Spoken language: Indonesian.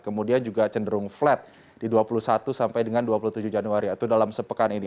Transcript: kemudian juga cenderung flat di dua puluh satu sampai dengan dua puluh tujuh januari atau dalam sepekan ini